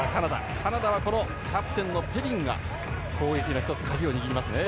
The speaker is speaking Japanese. カナダはキャプテンのペリンが１つ、攻撃の鍵を握ります。